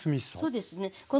そうですね。